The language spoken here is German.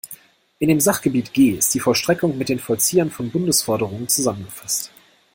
In dem Sachgebiet G ist die Vollstreckung mit den Vollziehern von Bundesforderungen zusammengefasst.